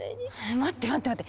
待って待って待って。